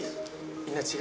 みんな違う？